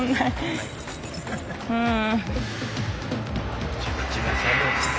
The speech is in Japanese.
うん。